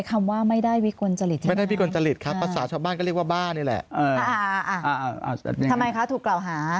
ทำไมคะถูกกล่าวหา